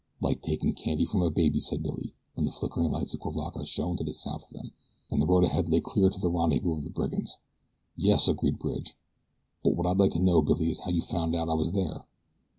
"Like takin' candy from a baby," said Billy, when the flickering lights of Cuivaca shone to the south of them, and the road ahead lay clear to the rendezvous of the brigands. "Yes," agreed Bridge; "but what I'd like to know, Billy, is how you found out I was there."